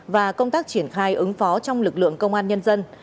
và công tác triển khai ứng phó trong lực lượng công an nhân dân